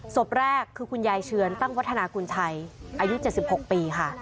ศพแรกคือคุณยายเชือนตั้งวัฒนากุญชัยอายุ๗๖ปีค่ะ